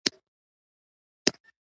د ګوسپلین غړو پرېکړه نه کوله